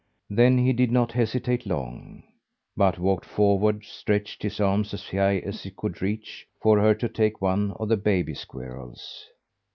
Then he did not hesitate long; but walked forward, stretched his arms as high as he could reach, for her to take one of the baby squirrels.